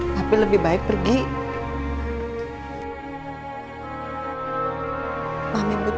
papi lebih baik pergi